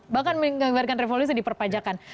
bahkan menggambarkan revolusi di perpajakan